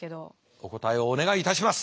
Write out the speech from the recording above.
お答えをお願いいたします！